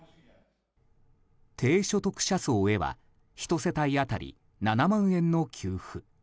低所得者層へは１世帯当たり７万円の給付。